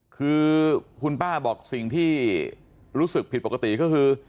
คือคุณป้าบอกสิ่งที่รู้สึกผิดปกติก็คือ